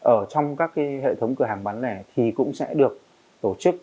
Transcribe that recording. ở trong các cái hệ thống cửa hàng bán lẻ thì cũng sẽ được tổ chức